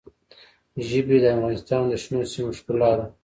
ژبې د افغانستان د شنو سیمو ښکلا ده.